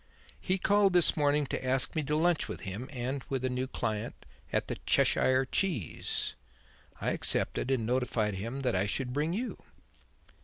"He called this morning to ask me to lunch with him and a new client at the 'Cheshire Cheese.' I accepted and notified him that I should bring you."